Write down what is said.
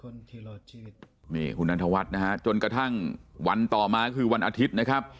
นี่คุณนันทวัฒน์นะฮะจนกระทั่งวันต่อมาคือวันอาทิตย์นะครับ